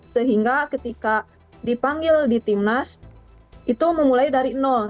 sehingga ketika dipanggil di timnas itu memulai dari nol